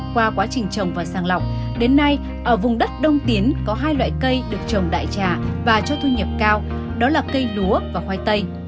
qua quá trình trồng và sàng lọc đến nay ở vùng đất đông tiến có hai loại cây được trồng đại trà và cho thu nhập cao đó là cây lúa và khoai tây